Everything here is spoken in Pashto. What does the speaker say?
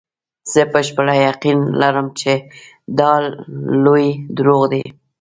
زه بشپړ یقین لرم چې دا لوی دروغ دي.